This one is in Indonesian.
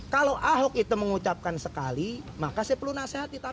kalau ahok itu mengucapkan sekali maka saya perlu nasehati